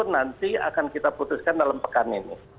nanti akan kita putuskan dalam pekan ini